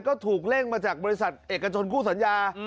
ก็ถูกเร่งมาจากบริษัทเอกชนคู่สัญญา